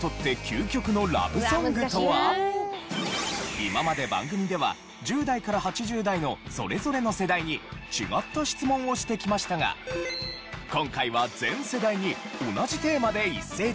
今まで番組では１０代から８０代のそれぞれの世代に違った質問をしてきましたが今回は全世代に同じテーマで一斉調査を行いました。